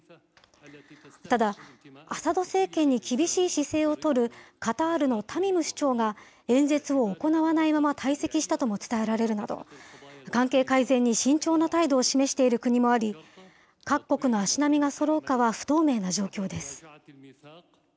ただ、アサド政権に厳しい姿勢を取るカタールのタミム首長が演説を行わないまま退席したとも伝えられるなど、関係改善に慎重な態度を示している国もあり、各国の足並みがそろうかは不透明な状況です。